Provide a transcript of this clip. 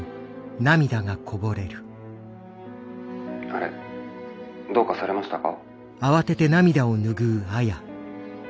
「あれどうかされましたか？」。